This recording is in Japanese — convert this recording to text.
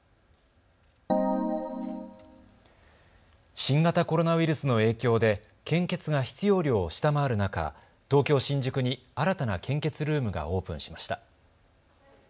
新型コロナウイルスの影響で献血の必要量を下回る中、東京新宿に新たな献血ルームがオープンしました。